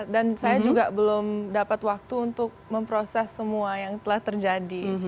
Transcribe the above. dan saya juga belum dapat waktu untuk memproses semua yang telah terjadi